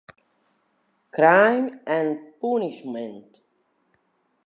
Crime and Punishment